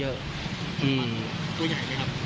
แต่ด้วยความที่เป็นจุดรกร้างย่าก็ขึ้นรกไปหมดเลย